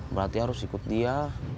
berarti harus ikut dia